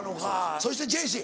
そしてジェシー。